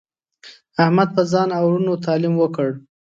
احمد په ځان او ورونو تعلیم وکړ.